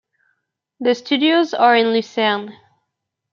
The studios are in Lucerne.